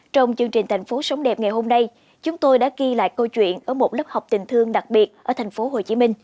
trong chương trình thành phố sống đẹp ngày hôm nay chúng tôi đã ghi lại câu chuyện ở một lớp học tình thương đặc biệt ở tp hcm